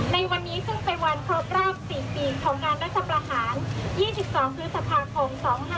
ในวันนี้ซึ่งเป็นวันครบราบ๔ปีของการรัฐประหาร๒๒ฮือสัปพาคม๒๕๕๗